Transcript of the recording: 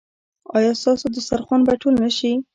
ایا ستاسو دسترخوان به ټول نه شي؟